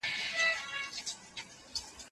مورنۍ ژبه ویره ختموي.